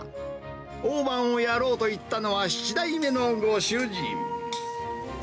大判をやろうといったのは７代目のご主人。